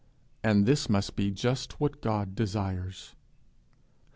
And this must be just what God desires!